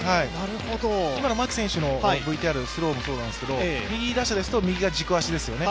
今の牧選手のＶＴＲスローもそうなんですけど、右打者ですと右が軸足ですよね。